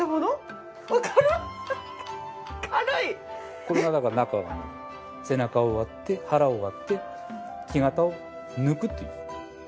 これがだから中は背中を割って腹を割って木型を抜くっていう。